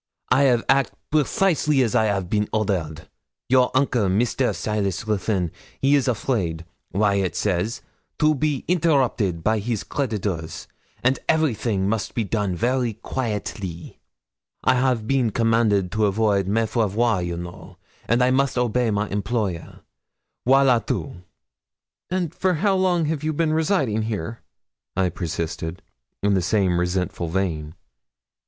'I 'av act precisally as I 'av been ordered. Your uncle, Mr. Silas Ruthyn, he is afraid, Waiatt says, to be interrupted by his creditors, and everything must be done very quaitly. I have been commanded to avoid me faire voir, you know, and I must obey my employer voilà tout!' 'And for how long have you been residing here?' I persisted, in the same resentful vein.